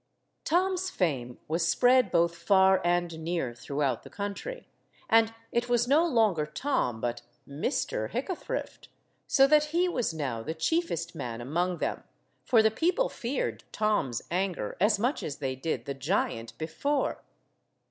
Tom's fame was spread both far and near throughout the country, and it was no longer Tom but Mr. Hickathrift, so that he was now the chiefest man among them, for the people feared Tom's anger as much as they did the giant before.